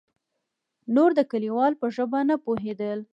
نور د کليوالو په ژبه نه پوهېدل.